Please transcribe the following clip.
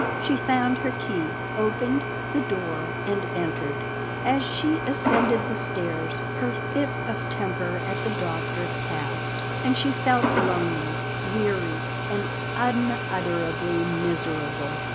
She found her key, opened the door and entered. As she ascended the stairs, her fit of temper at the Doctor passed, and she felt lonely, weary, and unutterably miserable.